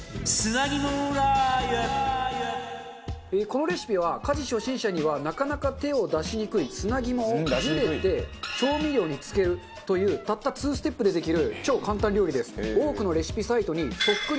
このレシピは家事初心者にはなかなか手を出しにくい砂肝をゆでて調味料に漬けるというたった２ステップでできる超簡単料理です。